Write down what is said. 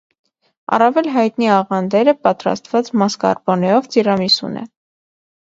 Առավել հայտնի աղանդերը պատրաստված մասկարպոնեով տիրամիսուն է։